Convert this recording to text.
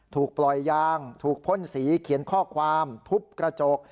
ถูกปล่อยยางถูกพ่นสีเขียนข้อความทุบกระจก